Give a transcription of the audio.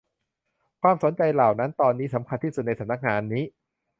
ความสนใจเหล่านั้นตอนนี้สำคัญที่สุดในสำนักงานนี้